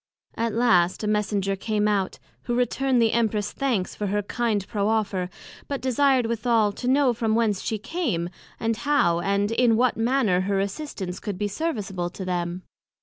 At last a Messenger came out, who returned the Empress thanks for her kind proffer, but desired withal, to know from whence she came, and how, and in what manner her assistance could be serviceable to them?